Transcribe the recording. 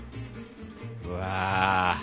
うわ。